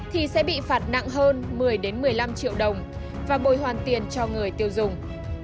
thì sẽ bị phạt nặng hơn một mươi một mươi năm triệu đồng và bồi hoàn tiền cho người tiêu dùng